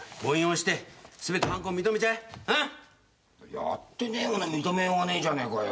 やってねえもの認めようがねえじゃねえかよ。